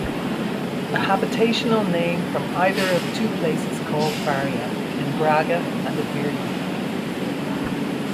A habitational name from either of two places called Faria, in Braga and Aveiro.